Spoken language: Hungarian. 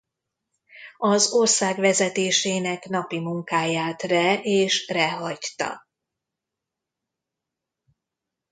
Az ország vezetésének napi munkáját re és re hagyta.